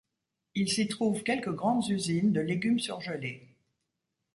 Il s'y trouve quelques grandes usines de légumes surgelés.